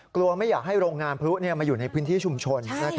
ไม่อยากให้โรงงานพลุมาอยู่ในพื้นที่ชุมชน